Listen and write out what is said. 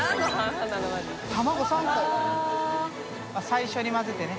最初に混ぜてね。